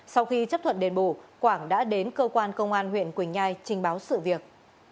sau khi chấp thuận đền bù quảng đã đến cơ quan công an huyện quỳnh nhai trình báo sự việc